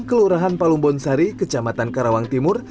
kelurahan palumbonsari kecamatan karawang timur